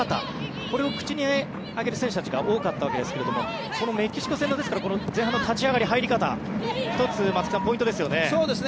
これを口に挙げる選手たちが多かったわけですがメキシコ戦の前半の立ち上がり、入り方松木さん１つ、ポイントですよね。